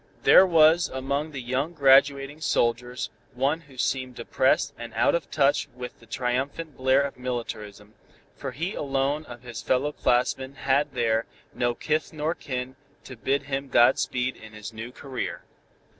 There was among the young graduating soldiers one who seemed depressed and out of touch with the triumphant blare of militarism, for he alone of his fellow classmen had there no kith nor kin to bid him God speed in his new career.